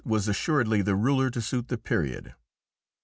was assuredly the ruler to suit the period.